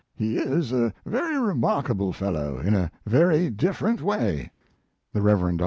He is a very remarkable fellow in a very different way." The Rev. Dr.